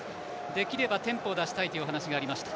できればテンポを出したいという話がありました。